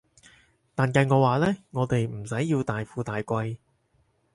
但計我話呢，我哋唔使要大富大貴